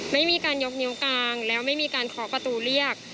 ไม่มีการยกนิ้วกลางแล้วไม่มีการเคาะประตูเรียก